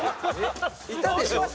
いたでしょ？